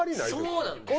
そうなんですよ。